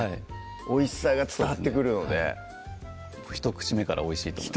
おいしさが伝わってくるので１口目からおいしいと思います